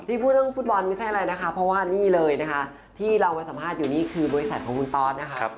พูดเรื่องฟุตบอลไม่ใช่อะไรนะคะเพราะว่านี่เลยนะคะที่เรามาสัมภาษณ์อยู่นี่คือบริษัทของคุณตอสนะคะ